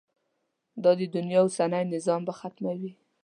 دا د دنیا اوسنی نظم به ختموي.